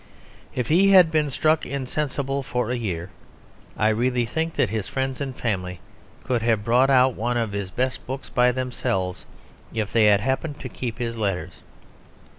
If he had been struck insensible for a year, I really think that his friends and family could have brought out one of his best books by themselves if they had happened to keep his letters.